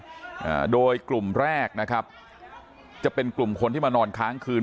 อ่าโดยกลุ่มแรกนะครับจะเป็นกลุ่มคนที่มานอนค้างคืน